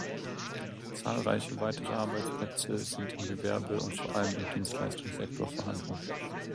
Zahlreiche weitere Arbeitsplätze sind im Gewerbe und vor allem im Dienstleistungssektor vorhanden.